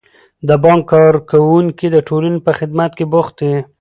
د بانک کارکوونکي د ټولنې په خدمت کې بوخت دي.